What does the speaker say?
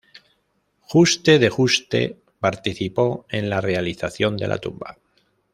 Juste de Juste participó en la realización de la tumba.